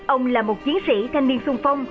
ông là một chiến sĩ thanh niên xung phong